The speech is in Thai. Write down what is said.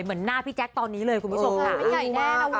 เหมือนหน้าพี่แจ๊คตอนนี้เลยคุณผู้ชมค่ะ